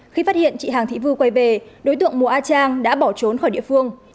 khi phát hiện chị hàng thị vu quay về đối tượng mùa a trang đã bỏ trốn khỏi địa phương